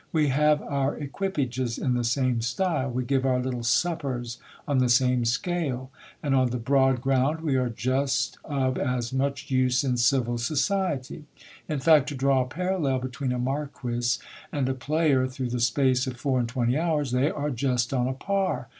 We have our equipages in the same style ; we give our little suppers on the same scale ; and on the broad ground we are just of as much use in civil society. In fact, to draw a parallel between a marquis and a player through the space of four and twenty hours, they are just on a par.